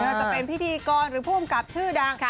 ว่าจะเป็นพิธีกรหรือผู้อำกับชื่อดัง